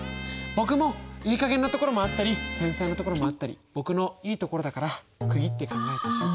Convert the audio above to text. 僕もいい加減なところもあったり繊細なところもあったり僕のいいところだから区切って考えてほしい。